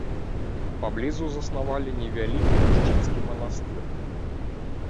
Паблізу заснавалі невялікі мужчынскі манастыр.